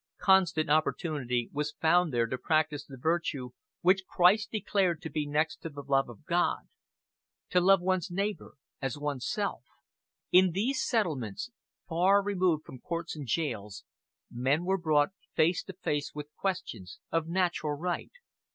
Constant opportunity was found there to practice the virtue which Christ declared to be next to the love of God to love one's neighbor as oneself. In such settlements, far removed from courts and jails, men were brought face to face with questions of natural right.